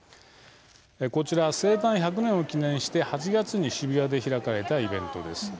こちら生誕１００年を記念して８月に渋谷で開かれたイベントです。